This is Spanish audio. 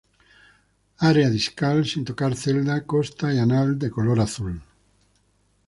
Área discal sin tocar celda costa y anal de color azul.